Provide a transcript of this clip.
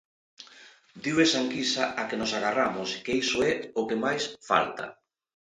Dío esa enquisa á que nos agarramos, que iso é o que máis falta.